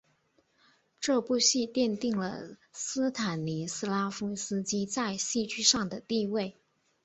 这部戏奠定了斯坦尼斯拉夫斯基在戏剧上的地位。